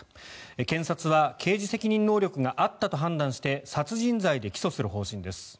検察は刑事責任能力があったと判断して殺人罪で起訴する方針です。